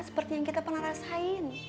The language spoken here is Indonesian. seperti yang kita pernah rasain